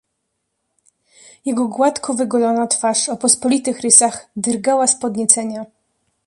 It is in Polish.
"Jego gładko wygolona twarz o pospolitych rysach drgała z podniecenia."